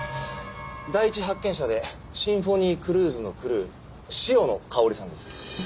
第一発見者でシンフォニークルーズのクルー塩野香織さんです。